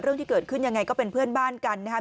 เรื่องที่เกิดขึ้นยังไงก็เป็นเพื่อนบ้านกันนะครับ